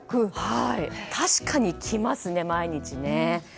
確かに来ますね、毎日。